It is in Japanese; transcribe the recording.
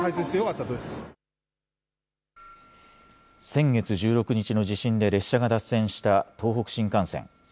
先月１６日の地震で列車が脱線した東北新幹線。